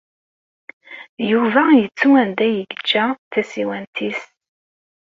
Yuba yettu anda i yeǧǧa tasiwant-is.